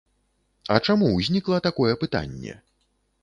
А чаму ўзнікла такое пытанне?